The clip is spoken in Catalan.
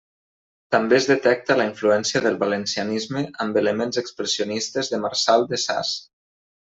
També es detecta la influència del valencianisme amb elements expressionistes de Marçal de Sas.